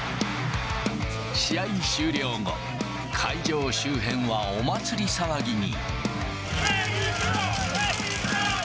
試合終了後、会場周辺はお祭り騒ぎに。